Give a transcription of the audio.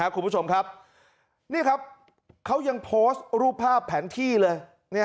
คุณผู้ชมครับนี่ครับเขายังโพสต์รูปภาพแผนที่เลย